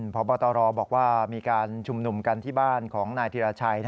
พบตรบอกว่ามีการชุมนุมกันที่บ้านของนายธิรชัย